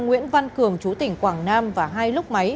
nguyễn văn cường chú tỉnh quảng nam và hai lúc máy